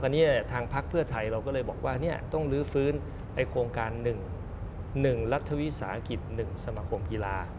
อันนี้ทางพักเพื่อไทยเราก็เลยบอกว่าต้องลื้อฟื้นโครงการ๑รัฐวิสาหกิจ๑สมคมกีฬา